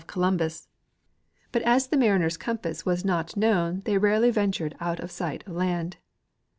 Columbus, but as the mariners' compass was not'knoAvn they rarely ventured out of sight of land.